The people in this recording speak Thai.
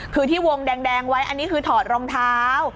คือที่วงแดงไว้อันนี้คือถอดรองเท้า